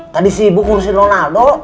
tadi sibuk ngurusin ronaldo